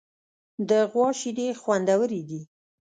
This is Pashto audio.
د غوا شیدې خوندورې دي.